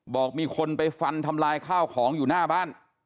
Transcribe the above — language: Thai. บอกมีคนไปฟันทำลายข้าวของอยู่หน้าบ้าน